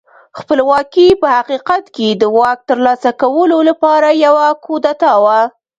خپلواکي په حقیقت کې د واک ترلاسه کولو لپاره یوه کودتا وه.